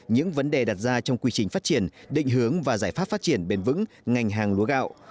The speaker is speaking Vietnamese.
những vấn đề đặt ra trong quy trình phát triển định hướng và giải pháp phát triển bền vững ngành hàng lúa gạo